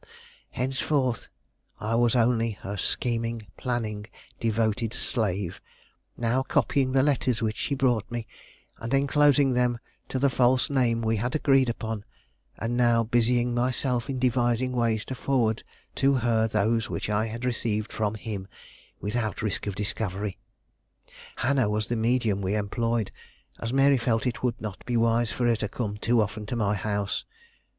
Henceforth, I was only her scheming, planning, devoted slave; now copying the letters which she brought me, and enclosing them to the false name we had agreed upon, and now busying myself in devising ways to forward to her those which I received from him, without risk of discovery. Hannah was the medium we employed, as Mary felt it would not be wise for her to come too often to my house.